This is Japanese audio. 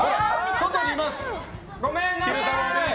外にいます。